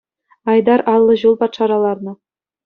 Айтар аллӑ ҫул патшара ларнӑ.